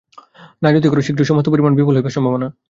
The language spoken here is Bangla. না যদি কর, শীঘ্রই সমস্ত পরিশ্রম বিফল হইবার সম্ভাবনা।